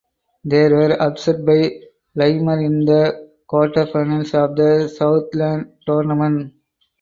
They were upset by Lamar in the quarterfinals of the Southland Tournament.